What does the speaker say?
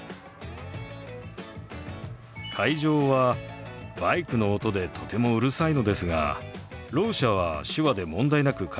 会場はバイクの音でとてもうるさいのですがろう者は手話で問題なく会話ができます。